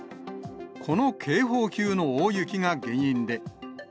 この警報級の大雪が原因で。